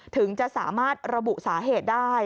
ถึงจะสามารถระบุสาเหตุได้